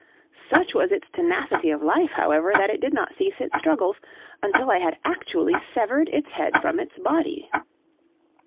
Such was its tenacity of life, however, that it did not cease its struggles, until I had actually severed its head from its body.